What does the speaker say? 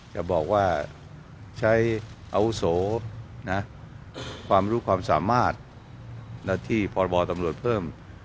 จะบอกว่าใช้อาวุโสความรู้ความสามารถหน้าที่พรบตำรวจเพิ่ม